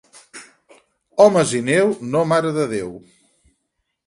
Homes i neu, no Mare de Déu.